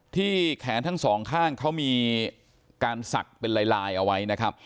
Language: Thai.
ที่แขนทั้งสองข้างเขามีการศักดิ์เป็นลายเอาไว้นะครับ